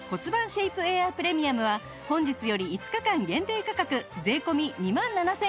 シェイプエアープレミアムは本日より５日間限定価格税込２万７８００円